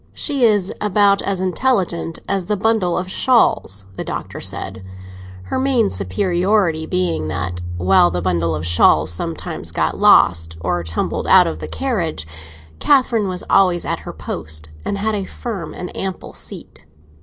"She is about as intelligent as the bundle of shawls," the Doctor said; her main superiority being that while the bundle of shawls sometimes got lost, or tumbled out of the carriage, Catherine was always at her post, and had a firm and ample seat.